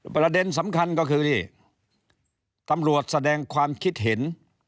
ประเด็นสำคัญก็คือนี่ตำรวจแสดงความคิดเห็น